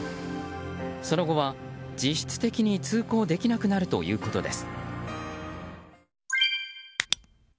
その後は実質的に通行できなくなるということです。